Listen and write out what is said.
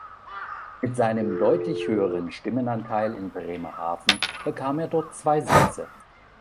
Mit seinem deutlich höheren Stimmenanteil in Bremerhaven bekam er dort zwei Sitze.